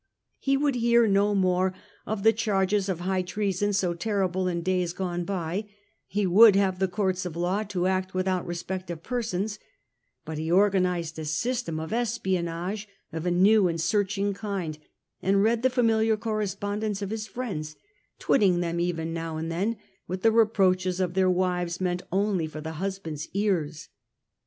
He would hear no more of the Hadrian, 117 138 63 charges of high treason so terrible in years gone by, he would have the courts of law to act without respect of persons; but he organized a system of espion system of age of a new and searching kind, and read the familiar correspondence of his friends, twitting them even, now and then, with the reproaches of their wives meant only for the husband^s ears.